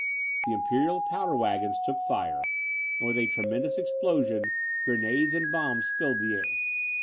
The imperial powder waggons took fire, and, with a tremendous explosion, grenades and bombs filled the air.